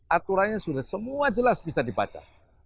aturannya sudah semua jelas bisa dibaca